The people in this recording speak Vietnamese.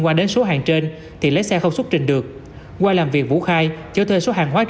quan đến số hàng trên thì lái xe không xuất trình được qua làm việc vũ khai chỗ thuê số hàng hóa